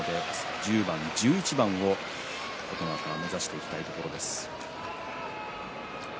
１０番、１１番もこのあと目指していきたいところです。